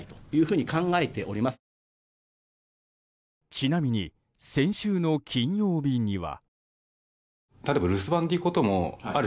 ちなみに先週の金曜日には。